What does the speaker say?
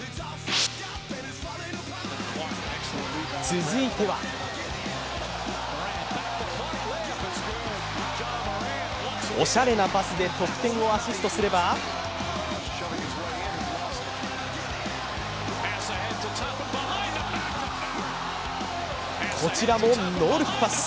続いてはおしゃれなパスで得点をアシストすればこちらもノールックパス。